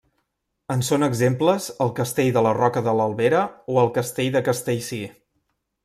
En són exemples el castell de la Roca de l'Albera o el castell de Castellcir.